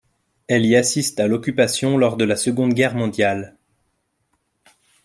Elle y assiste à l'Occupation lors de la Seconde Guerre mondiale.